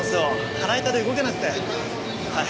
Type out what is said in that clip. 腹痛で動けなくてはい。